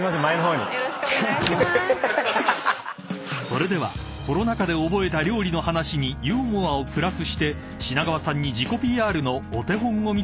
［それではコロナ禍で覚えた料理の話にユーモアをプラスして品川さんに自己ＰＲのお手本を見せていただきます］